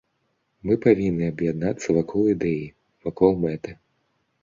Мы павінны аб'яднацца вакол ідэі, вакол мэты.